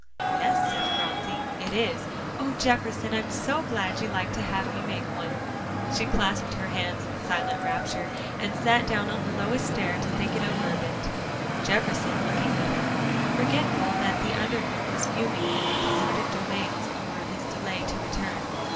"Yes," said Phronsie, "it is. Oh, Jefferson, I'm so glad you like to have me make one," she clasped her hands in silent rapture, and sat down on the lowest stair to think it over a bit, Jefferson looking at her, forgetful that the under cook was fuming in the deserted domains over his delay to return.